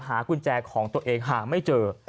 กุญแจของตัวเองหาไม่เจอ